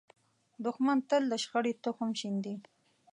دښمن تل د شخړې تخم شیندي